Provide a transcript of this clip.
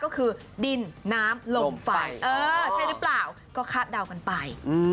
ก็คือดินน้ำลมไฟเออใช่หรือเปล่าก็คาดเดากันไป